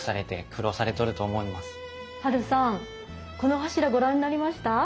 ハルさんこの柱ご覧になりました？